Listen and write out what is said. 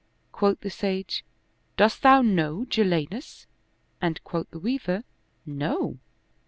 Quoth the sage, " Dost thou know Jalinus? " and quoth the Weaver, " No."